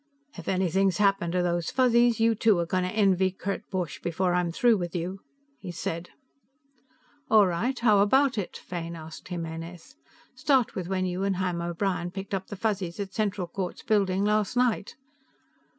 "If anything's happened to those Fuzzies, you two are going to envy Kurt Borch before I'm through with you," he said. "All right, how about it?" Fane asked Jimenez. "Start with when you and Ham O'Brien picked up the Fuzzies at Central Courts Building last night.